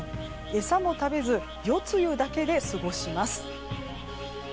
餌も食べず夜露だけで過ごします。